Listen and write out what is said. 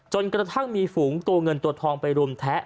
จนกระทั่งมีฝูงตัวเงินตัวทองไปรุมแทะ